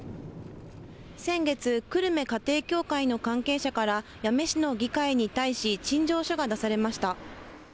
先月、久留米家庭教会の関係者から、八女市の議会に対し、陳情書が出されました。